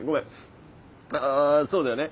あそうだよね。